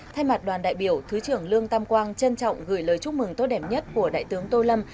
thay mặt đoàn đại biểu thứ trưởng lương tam quang trân trọng gửi lời chúc mừng tốt đẹp nhất của đại tướng tô lâm